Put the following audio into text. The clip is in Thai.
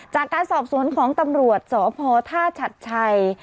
จากการสอบสวนของตำรวจสพท่าชัดชัย